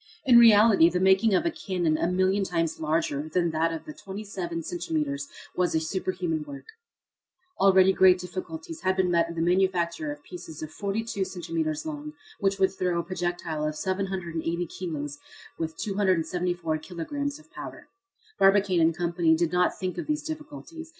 In reality the making of a cannon a million times larger than that of twenty seven centimetres was a superhuman work. Already great difficulties had been met in the manufacture of pieces of forty two centimetres diameter, which would throw projectiles of 780 kilos with 274 kilograms of powder. Barbicane & Co. did not think of these difficulties.